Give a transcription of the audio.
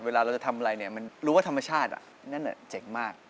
เวลาเราจะทำอะไรเนี่ยมันรู้ว่าธรรมชาตินั่นเจ๋งมาก